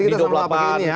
nanti kita sama pak gini ya